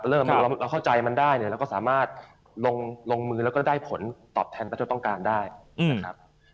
เราเข้าใจมันได้เนี่ยเราก็สามารถลงมือแล้วก็ได้ผลตอบแทนเท่าต้องการได้นะครับ